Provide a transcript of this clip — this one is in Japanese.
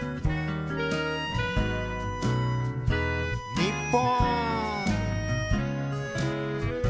日本。